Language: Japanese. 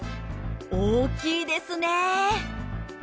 大きいですね。